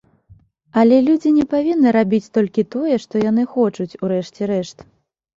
Але людзі не павінны рабіць толькі тое, што яны хочуць, у рэшце рэшт.